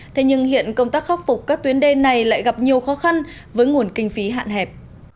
thế nhưng hiện công tác khắc phục các tuyến đê này lại gặp nhiều khó khăn với nguồn kinh phí hạn hẹp